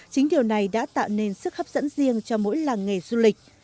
chính điều này đã tạo nên sức hấp dẫn riêng cho mỗi làng nghề du lịch